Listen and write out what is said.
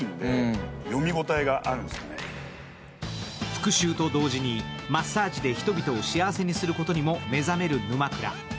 復しゅうと同時にマッサージで人々を幸せにすることにも目覚める沼倉。